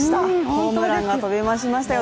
ホームランが飛び出しましたよ。